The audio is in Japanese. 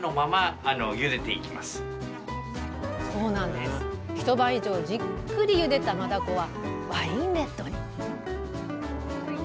すごい！一晩以上じっくりゆでたマダコはワインレッドに！